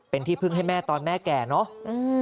เป็นที่พึ่งให้แม่ตอนแม่แก่เนอะ